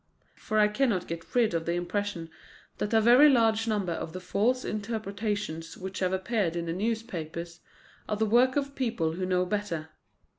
For I cannot get rid of the impression that a very large number of the false interpretations which have appeared in the newspapers are the work of people who know better.